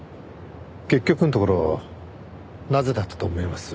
結局のところなぜだったと思います？